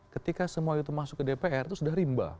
ketika semua itu masuk ke dpr itu sudah rimba